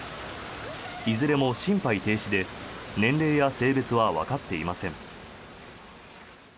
いずれも心肺停止で年齢や性別はわかっていません。